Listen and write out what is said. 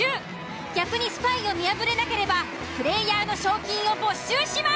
逆にスパイを見破れなければプレイヤーの賞金を没収します。